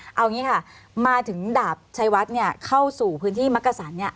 เอาอย่างนี้ค่ะมาถึงดาบชัยวัดเข้าสู่พื้นที่มักกษันเนี่ย